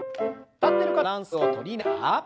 立ってる方はバランスをとりながら。